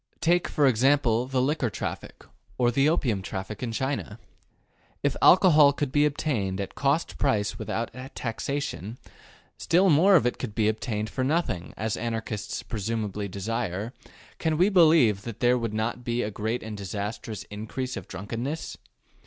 Take, for example, the liquor traffic, or the opium traffic in China. If alcohol could be obtained at cost price without taxation, still more if it could be obtained for nothing, as Anarchists presumably desire, can we believe that there would not be a great and disastrous increase of drunkenness?